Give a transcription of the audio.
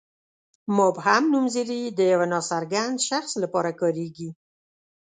مبهم نومځري د یوه ناڅرګند شخص لپاره کاریږي.